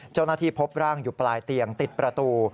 เจ้าหน้าที่พบร่างอยู่ปลายเตียงติดประตู